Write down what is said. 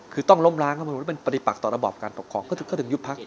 คือต้องล้มล้างเข้ามาเป็นปฏิปักต่อระบอบการปกครองก็ถึงยุบพัก